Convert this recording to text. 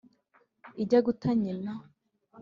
ijya guta nyina